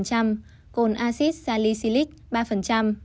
cồn acid salicylic ba